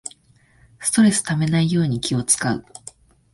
ストレスためないように気をつかう